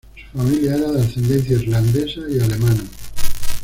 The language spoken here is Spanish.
Su familia era de ascendencia irlandesa y alemana.